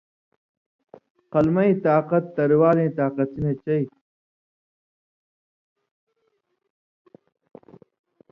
قلمَیں طاقت تروالیں طاقتی نہ چئ تھی